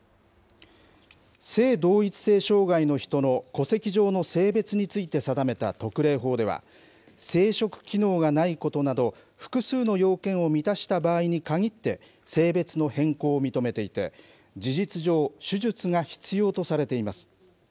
性同一性障害の人の戸籍上の性別について定めた特例法では、生殖機能がないことなど、複数の要件を満たした場合に限って、性別の変更を認めていて、事実上、手術が必要とされています。